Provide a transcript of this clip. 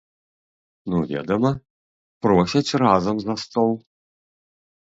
Ну, ведама, просяць разам за стол.